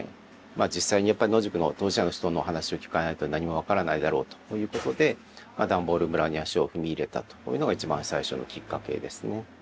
実際に野宿の当事者の人の話を聞かないと何も分からないだろうということでダンボール村に足を踏み入れたというのが一番最初のきっかけですね。